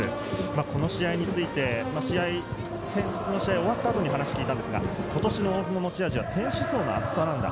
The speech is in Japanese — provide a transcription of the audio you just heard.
この試合について先日の試合、終わった後に話を聞いたんですが、今年の大津の持ち味は選手層の厚さなんだ。